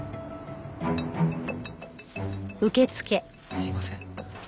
すいません。